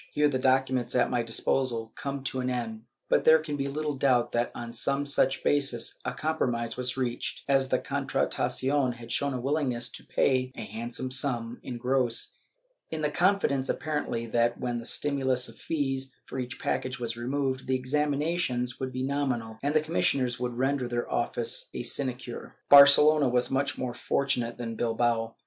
* Here the documents at my disposal come to an end, but there can be little doubt that, on some such basis, a compromise was reached, as the Contratacion had shown a willingness to pay a handsome sum in gross, in the confidence apparently, that when the stimulus of fees for each package was removed, the examinations would be nominal and the commis sioners would render their office a sinecure. Barcelona was more fortunate than Bilbao.